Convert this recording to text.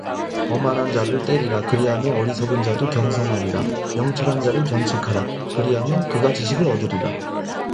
거만한 자를 때리라 그리하면 어리석은 자도 경성하리라 명철한 자를 견책하라 그리하면 그가 지식을 얻으리라